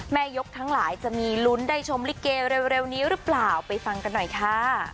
ยกทั้งหลายจะมีลุ้นได้ชมลิเกเร็วนี้หรือเปล่าไปฟังกันหน่อยค่ะ